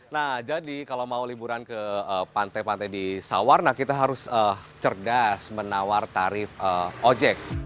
nah jadi kalau mau liburan ke pantai pantai di sawarna kita harus cerdas menawar tarif ojek